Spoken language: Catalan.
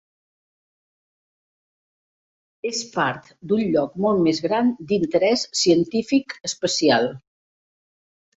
És part d'un lloc molt més gran d'interès científic especial.